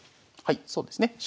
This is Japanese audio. はいそうですね